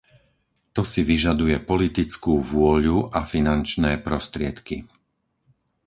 To si vyžaduje politickú vôľu a finančné prostriedky.